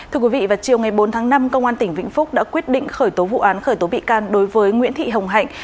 thưa quý vị vào chiều ngày bốn tháng năm công an tỉnh vĩnh phúc đã quyết định khởi tố vụ án khởi tố bị can đối với nguyễn thị hồng hạnh